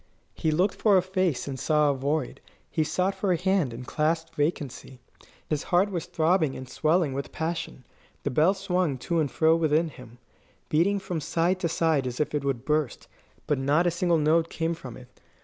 He looked for a face, and saw a void. He sought for a hand, and clasped vacancy. His heart was throbbing and swelling with passion; the bell swung to and fro within him, beating from side to side as if it would burst; but not a single note came from it.